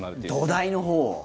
土台のほうを。